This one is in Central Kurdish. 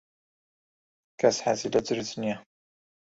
کەس حەزی لە جرج نییە.